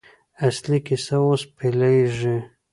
اصلي کیسه اوس پیلېږي.